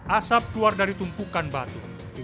asap keluar dari tumpukan batu